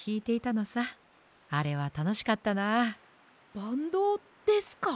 バンドですか？